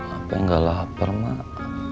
apa yang gak lapar mak